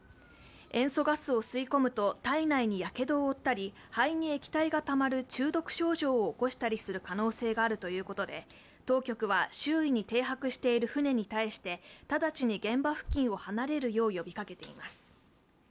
塩素ガスを吸い込むと体内にやけどを負ったり肺に液体がたまる中毒症状を起こしたりする可能性があると言うことで当局は周囲に停泊している船に対して直ちに現場付近を離れるよう呼びかけています。